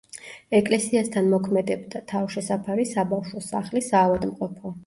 ეკლესიასთან მოქმედებდა, თავშესაფარი, საბავშვო სახლი, საავადმყოფო.